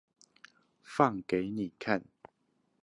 放給你看